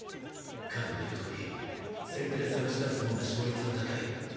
彼の言う通り先手で探し出す方が勝率は高い。